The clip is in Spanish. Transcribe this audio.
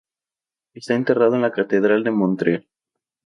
Está enterrado en la catedral de Montreal.